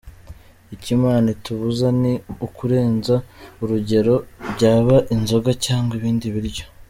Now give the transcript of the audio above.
Icyo Imana itubuza, ni ukurenza urugero, byaba inzoga cyangwa ibindi biryo.